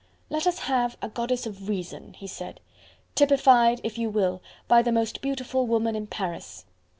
"Let us have a Goddess of Reason," he said, "typified if you will by the most beautiful woman in Paris.